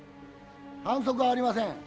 反則はありません。